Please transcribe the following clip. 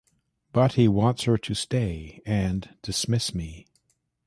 But he wants her to stay, and dismiss me.